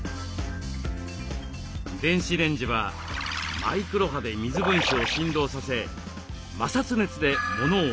電子レンジはマイクロ波で水分子を振動させ摩擦熱で物を温めます。